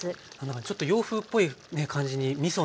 ちょっと洋風っぽいね感じにみそなんですね。